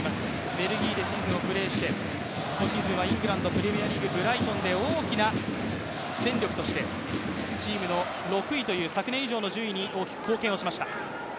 ベルギーでシーズンをプレーして今シーズンはイングランドプレミアリーグ、ブライトンで大きな戦力としてチームの６位という昨年以上の順位に貢献しました。